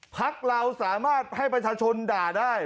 พักเราสามารถให้ประชาชนด่าได้